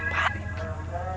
buat pak walu yo